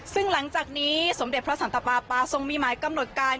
ซึ่งหลังจากนี้สมเด็จพระสันตปาปาทรงมีหมายกำหนดการ